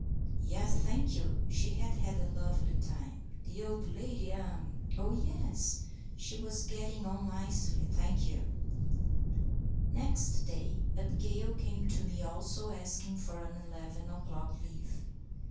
Yes, thank you; she had had a lovely time. The old lady?—er—oh, yes! she was getting on nicely, thank you. Next day, Abigail came to me, also asking for an eleven o'clock leave.